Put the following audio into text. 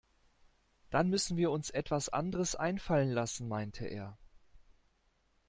Dann müssen wir uns etwas anderes einfallen lassen, meinte er.